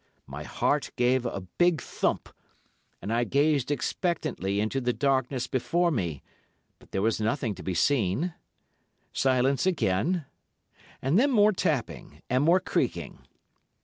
My heart gave a big thump, and I gazed expectantly into the darkness before me, but there was nothing to be seen. Silence again, and then more tapping, and more creaking.